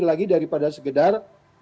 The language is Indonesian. lagi daripada segedar